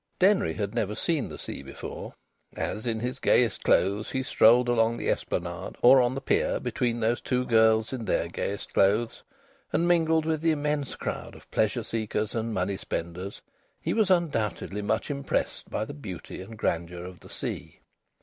Denry had never seen the sea before. As, in his gayest clothes, he strolled along the esplanade or on the pier between those two girls in their gayest clothes, and mingled with the immense crowd of pleasure seekers and money spenders, he was undoubtedly much impressed by the beauty and grandeur of the sea.